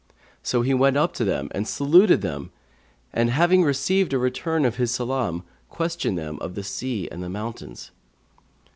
So he went up to them and saluted them and having received a return of his salam, questioned them of the sea and the mountains.